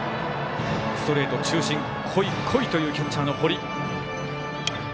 ストレート、中心こい、こい！というキャッチャーの堀。